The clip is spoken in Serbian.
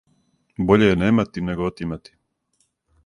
Боље је немати, него отимати.